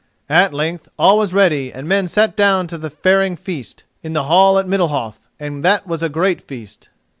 At length all was ready and men sat down to the faring feast in the hall at Middalhof, and that was a great feast.